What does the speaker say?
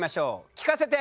聞かせて！